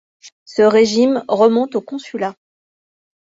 Ce régime remonte au Consulat.